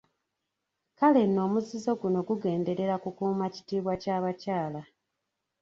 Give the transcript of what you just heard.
Kale nno omuzizo guno gugenderera kukuuma kitiibwa ky'abakyala.